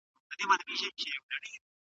جګړي د خلکو هيلي په اوبو لاهو کړي.